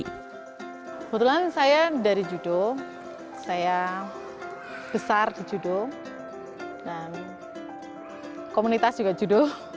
kebetulan saya dari judo saya besar di judo dan komunitas juga judo